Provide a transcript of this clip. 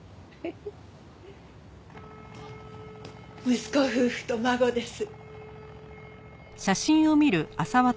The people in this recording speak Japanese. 息子夫婦と孫です。